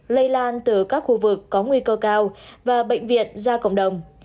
lây lan từ các khu vực có nguy cơ cao và bệnh viện ra cộng đồng